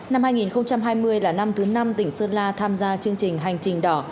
năm hai nghìn hai mươi là năm thứ năm tỉnh sơn la tham gia chương trình hành trình đỏ